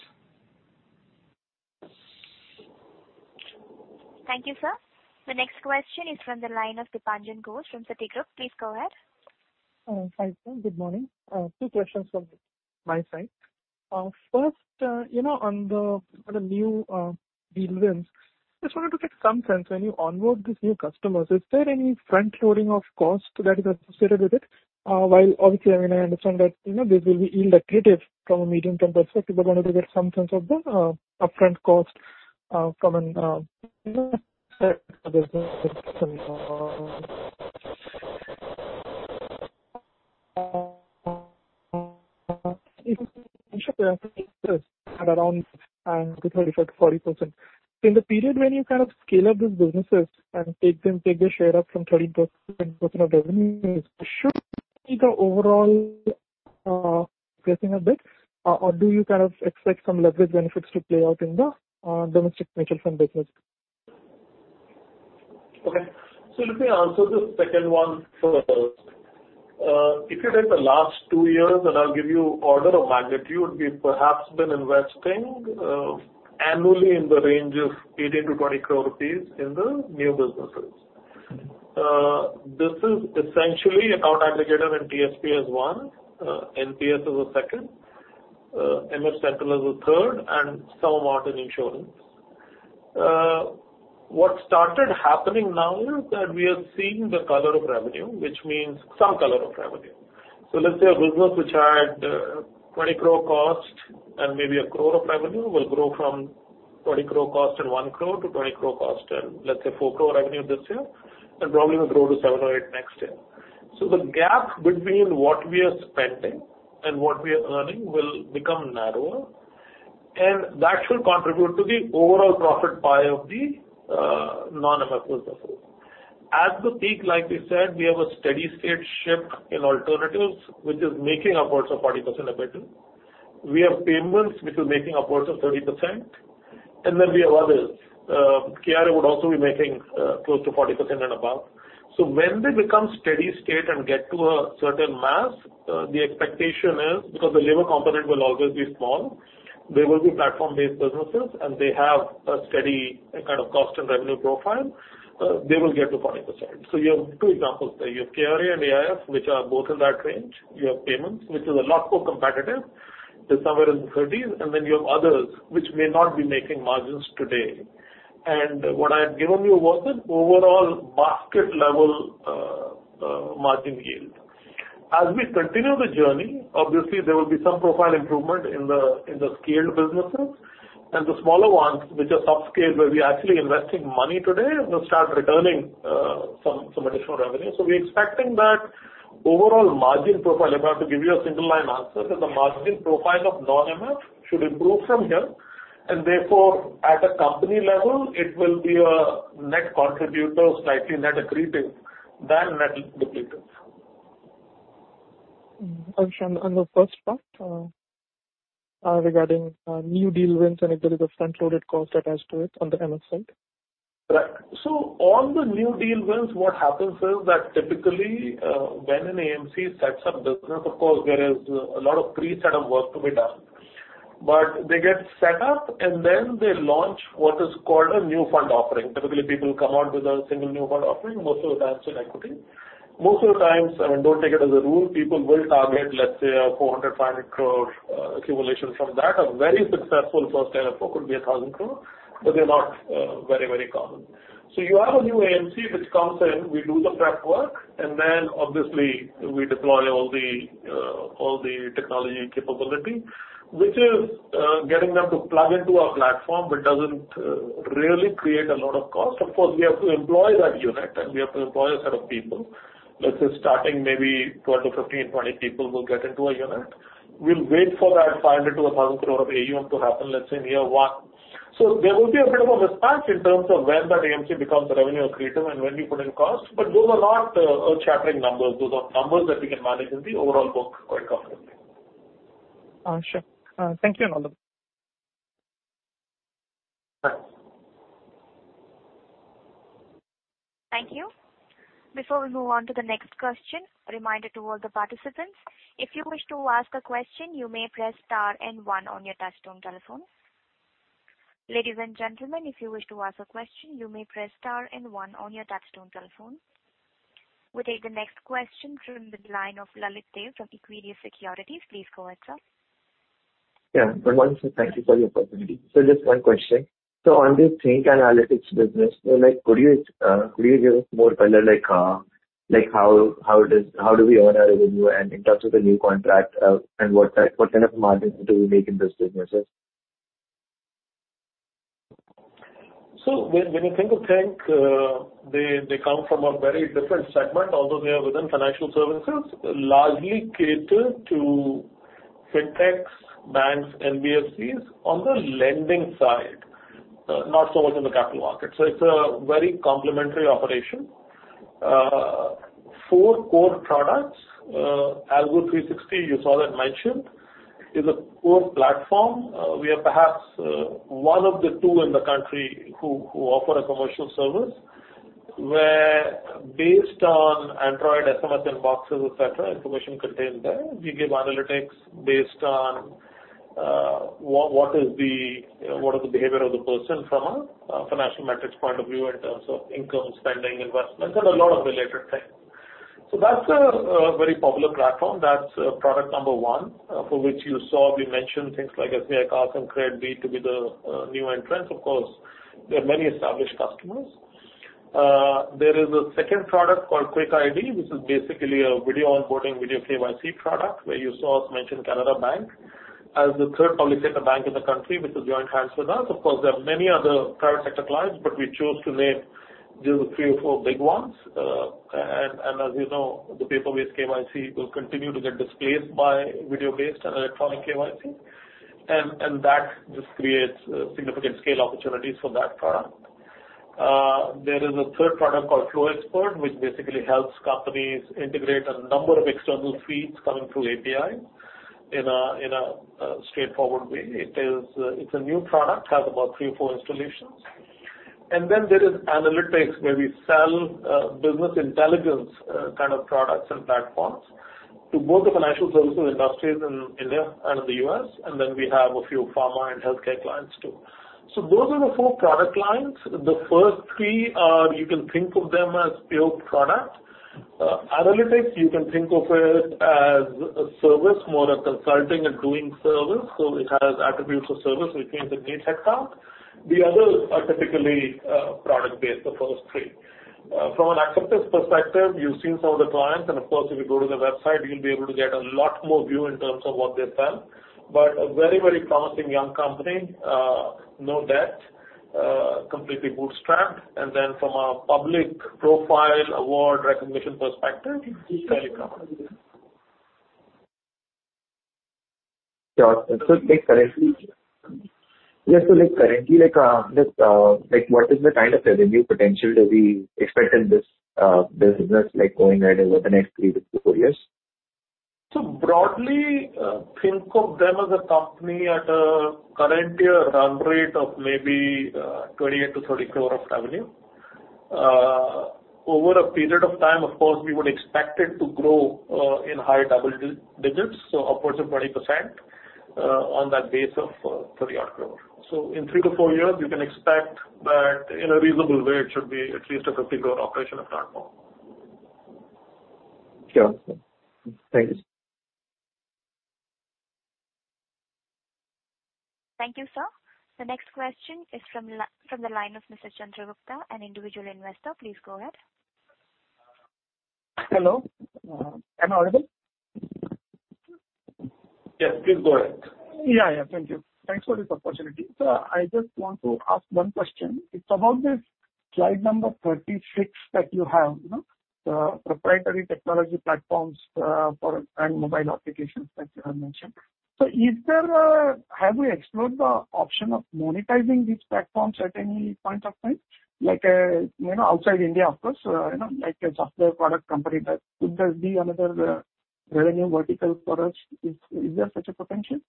Thank you, sir. The next question is from the line of Dipanjan Ghosh from Citigroup. Please go ahead. Hi, sir. Good morning. Two questions from my side. First, you know, on the, on the new, deal wins, just wanted to get some sense. When you onboard these new customers, is there any front loading of cost that is associated with it? While obviously, I mean, I understand that, you know, this will be yield accretive from a medium-term perspective, I wanted to get some sense of the upfront cost from an at around 35%-40%. In the period when you kind of scale up these businesses and take them, take their share up from 13% of revenues, should be the overall, guessing a bit, or do you kind of expect some leverage benefits to play out in the domestic mutual fund business? Okay. Let me answer the second one first. If you take the last two years, and I'll give you order of magnitude, we've perhaps been investing annually in the range of 18 crore-20 crore rupees in the new businesses. This is essentially Account Aggregator and TSP as one, NPS as a second, MF Settle as a third, and some are in insurance. What started happening now is that we are seeing the color of revenue, which means some color of revenue. Let's say a business which had 20 crore cost and maybe 1 crore of revenue, will grow from 20 crore cost and 1 crore to 20 crore cost and, let's say, 4 crore revenue this year, and probably will grow to 7 crore or 8 crore next year. The gap between what we are spending and what we are earning will become narrower, and that should contribute to the overall profit pie of the non-MF businesses. At the peak, like we said, we have a steady-state shape in alternatives, which is making upwards of 40% EBITDA. We have payments which are making upwards of 30%, and then we have others. KRA would also be making close to 40% and above. When they become steady state and get to a certain mass, the expectation is, because the labor component will always be small, they will be platform-based businesses, and they have a steady kind of cost and revenue profile, they will get to 40%. You have two examples there. You have KRA and AIF, which are both in that range. You have payments, which is a lot more competitive. They're somewhere in the 30s, and then you have others, which may not be making margins today. What I have given you was an overall basket-level margin yield. As we continue the journey, obviously, there will be some profile improvement in the, in the scaled businesses, and the smaller ones, which are subscale, where we are actually investing money today, will start returning some additional revenue. So we're expecting that overall margin profile, if I have to give you a single line answer, is the margin profile of non-MF should improve from here, and therefore, at a company level, it will be a net contributor, slightly net accretive than net depletive. Dipanjan, on the first part, regarding new deal wins and if there is a front-loaded cost attached to it on the MF side? Right. On the new deal wins, what happens is that typically, when an AMC sets up business, of course, there is a lot of pre-setup work to be done. They get set up, and then they launch what is called a new fund offering. Typically, people come out with a single new fund offering, most of the times in equity. Most of the times, and don't take it as a rule, people will target, let's say, a 400 crore-500 crore accumulation from that. A very successful first NFO could be 1,000 crore, but they're not very, very common. You have a new AMC, which comes in, we do the prep work, and then, obviously, we deploy all the technology and capability, which is getting them to plug into our platform, but doesn't really create a lot of cost. Of course, we have to employ that unit, and we have to employ a set of people. Let's say, starting maybe 12 to 15, 20 people will get into a unit. We'll wait for that 500 crore-1,000 crore of AUM to happen, let's say, in year one. There will be a bit of a mismatch in terms of when that AMC becomes revenue accretive and when you put in costs, but those are not shattering numbers. Those are numbers that we can manage in the overall book quite comfortably. Sure. Thank you, Anuj. Thanks. Thank you. Before we move on to the next question, a reminder to all the participants. If you wish to ask a question, you may press star and one on your touchtone telephone. Ladies and gentlemen, if you wish to ask a question, you may press star and one on your touchtone telephone. We'll take the next question from the line of Lalit Deo from Equirus Securities. Please go ahead, sir. Yeah. Good morning, sir, thank you for the opportunity. Just one question: On this Think Analytics business, so like, could you give us more color, like, how do we earn our revenue and in terms of the new contract, and what type, what kind of margins do we make in this businesses? When, when you think of Think, they, they come from a very different segment, although they are within financial services, largely catered to Fintechs, banks, NBFCs on the lending side, not so much in the capital markets. It's a very complementary operation. Four core products, Algo360, you saw that mentioned, is a core platform. We are perhaps one of the two in the country who offer a commercial service, where based on Android, SMS, inboxes, et cetera, information contained there, we give analytics based on what, what is the, what are the behavior of the person from a financial metrics point of view in terms of income, spending, investments, and a lot of related things. That's a very popular platform. That's product number one, for which you saw we mentioned things like SBI Cards and KreditBee to be the new entrants. Of course, there are many established customers. There is a second product called QuickID, which is basically a video onboarding, video KYC product, where you saw us mention Canara Bank as the third public sector bank in the country, which has joined hands with us. Of course, there are many other private sector clients, we chose to name just the three or four big ones. As you know, the paper-based KYC will continue to get displaced by video-based and electronic KYC, and that just creates significant scale opportunities for that product. There is a third product called FlowExpert, which basically helps companies integrate a number of external feeds coming through APIs in a straightforward way. It is, it's a new product, has about three or four installations. Then there is analytics, where we sell business intelligence kind of products and platforms to both the financial services industries in India and in the U.S., then we have a few pharma and healthcare clients, too. Those are the four product lines. The first three are, you can think of them as pure product. Analytics, you can think of it as a service, more a consulting and doing service, so it has attributes of service, which means it needs headcount. The others are typically product-based, the first three. From an acceptance perspective, you've seen some of the clients, and of course, if you go to the website, you'll be able to get a lot more view in terms of what they've done. A very, very promising young company, no debt, completely bootstrapped. From a public profile, award, recognition perspective, very common. Sure. Like, currently, yes, like, currently, like, just, like, what is the kind of revenue potential do we expect in this, business, like, going ahead over the next three-four years? Broadly, think of them as a company at a current year run rate of maybe 28-30 crore of revenue. Over a period of time, of course, we would expect it to grow in high double digits, so upwards of 20% on that base of 30 odd crore. In three-four years, you can expect that in a reasonable way, it should be at least a 50 crore operation, if not more. Sure. Thank you. Thank you, sir. The next question is from the line of Mr. Chandra Gupta, an individual investor. Please go ahead. Hello. Am I audible? Yes, please go ahead. Yeah, yeah. Thank you. Thanks for this opportunity. I just want to ask 1 question. It's about this slide number 36 that you have, you know, the proprietary technology platforms for, and mobile applications that you have mentioned. Have we explored the option of monetizing these platforms at any point of time, like, you know, outside India, of course, you know, like a software product company does? Could this be another revenue vertical for us? Is there such a potential?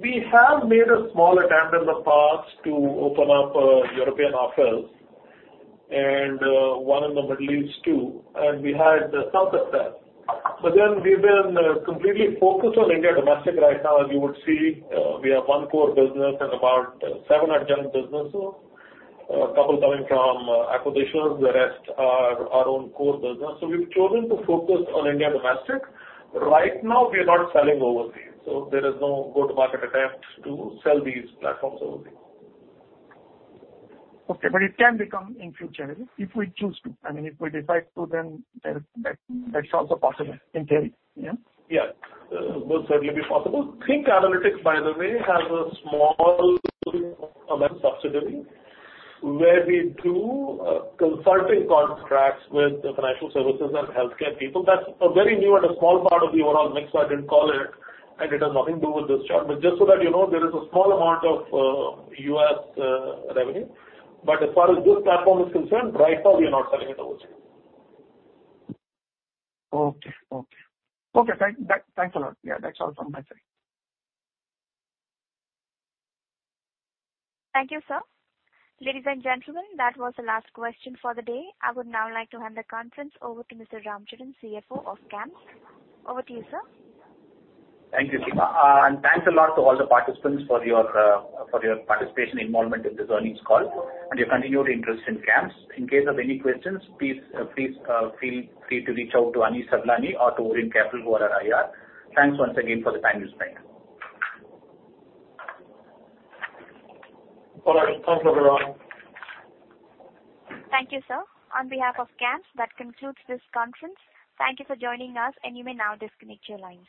We have made a small attempt in the past to open up European office and one in the Middle East, too, and we had some success. We've been completely focused on India domestic right now. As you would see, we have one core business and about seven adjunct businesses, a couple coming from acquisitions, the rest are our own core business. We've chosen to focus on India domestic. Right now, we are not selling overseas, so there is no go-to-market attempt to sell these platforms overseas. Okay, it can become in future, if we choose to. I mean, if we decide to, then that, that's also possible in theory, yeah? Yeah, would certainly be possible. Think Analytics, by the way, has a small subsidiary, where we do, consulting contracts with financial services and healthcare people. That's a very new and a small part of the overall mix, so I didn't call it, and it has nothing to do with this chart. Just so that you know, there is a small amount of, U.S. revenue, but as far as this platform is concerned, right now, we are not selling it overseas. Okay. Okay. Okay, thanks a lot. Yeah, that's all from my side. Thank you, sir. Ladies and gentlemen, that was the last question for the day. I would now like to hand the conference over to Mr. Ramcharan, CFO of CAMS. Over to you, sir. Thank you, Seema. Thanks a lot to all the participants for your for your participation involvement in this earnings call and your continued interest in CAMS. In case of any questions, please please feel free to reach out to Anish Sawlani or to Orient Capital, who are our IR. Thanks once again for the time you spent. All right. Thanks a lot, Ram. Thank you, sir. On behalf of CAMS, that concludes this conference. Thank you for joining us, and you may now disconnect your lines.